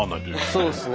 そうですね。